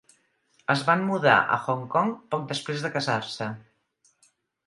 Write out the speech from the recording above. Es van mudar a Hong Kong poc després de casar-se.